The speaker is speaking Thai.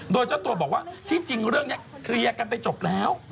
โดยเจ้าตัวบอกว่าที่จริงเรื่องนี้เคลียร์กันไปจบแล้ว